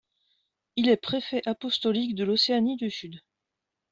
Il est préfet apostolique de l'Océanie du Sud.